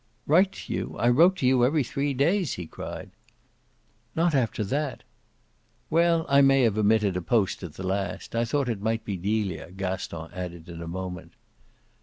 "Write to you? I wrote to you every three days," he cried. "Not after that." "Well, I may have omitted a post at the last I thought it might be Delia," Gaston added in a moment.